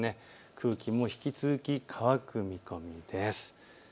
空気も引き続き、乾く見込みです。